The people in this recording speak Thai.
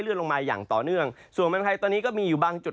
เลื่อนลงมาอย่างต่อเนื่องส่วนบริเวณไทยตอนนี้ก็มีอยู่บางจุด